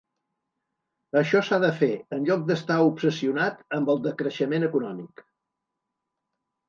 Això s’ha de fer, en lloc d’estar obsessionat amb el decreixement econòmic.